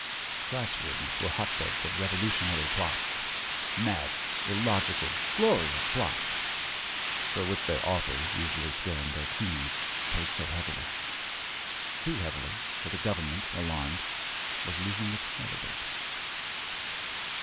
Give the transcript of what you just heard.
Class rooms were hotbeds of revolutionary plots, mad, illogical, glorious plots, for which their authors, usually still in their teens, paid so heavily. Too heavily, for the government, alarmed, was losing its head a bit.